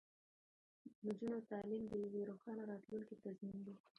د نجونو تعلیم د یوې روښانه راتلونکې تضمین دی.